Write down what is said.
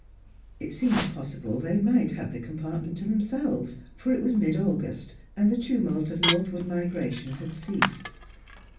It seemed possible that they might have the compartment to themselves, for it was mid August, and the tumult of northward migration had ceased.